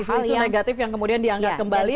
hal yang kemudian dianggap kembali